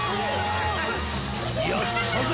やったぜ！